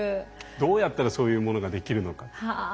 どうやったらそういうものができるのか。